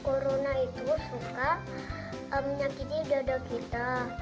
corona itu suka menyakiti dada kita